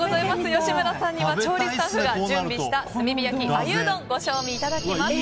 吉村さんには調理スタッフが用意した炭火焼鮎うどんご賞味いただきます。